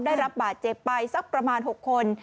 ได้รับบาดเจ็บไปสักประมาณ๖คน